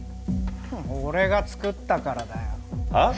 俺が作ったからだよはっ？